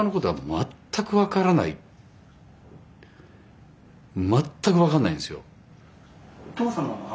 全く分かんないんですよ。